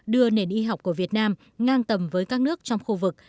đưa nền y học của việt nam ngang tầm với các nước trong khu vực